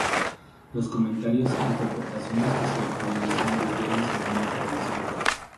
Los comentarios e interpretaciones que se utilizan difieren según la tradición.